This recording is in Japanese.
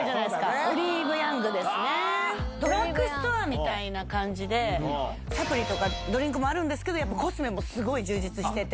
ドラッグストアみたいな感じでサプリとかドリンクもあるけどコスメもすごい充実してて。